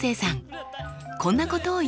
こんなことを言っていました。